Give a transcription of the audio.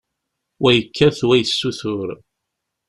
Wa yettak, wa yessutur.